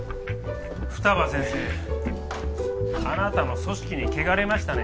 双葉先生あなたも組織に汚れましたね。